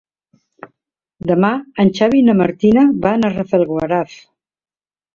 Demà en Xavi i na Martina van a Rafelguaraf.